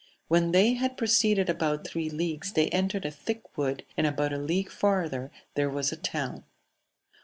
— When they had proceeded about three leagues they entered a thick wood, and about a league farther there was a town.